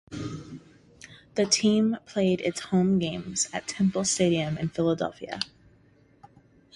The team played its home games at Temple Stadium in Philadelphia.